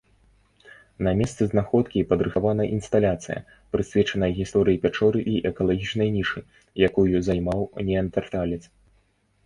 На месцы знаходкі падрыхтавана інсталяцыя, прысвечаная гісторыі пячоры і экалагічнай нішы, якую займаў неандэрталец.